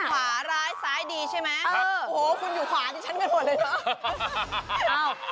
ขวาร้ายซ้ายดีใช่ไหมคุณอยู่ขวาที่ฉันกันหมดเลยนะ